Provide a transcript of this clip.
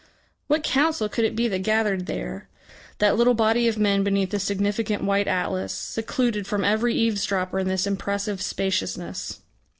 What council could it be that gathered there, that little body of men beneath the significant white Atlas, secluded from every eavesdropper in this impressive spaciousness?